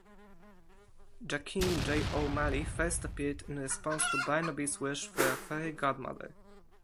Jackeen J. O'Malley first appeared in response to Barnaby's wish for a fairy godmother.